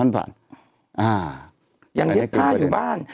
ยังเย็บผ้าอยู่บ้าน